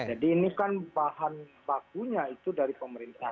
jadi ini kan bahan bakunya itu dari pemerintah